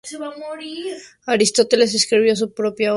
Aristóteles escribió su propia obra, "Retórica", por el mismo tiempo.